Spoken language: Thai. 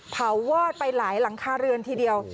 วอดไปหลายหลังคาเรือนทีเดียว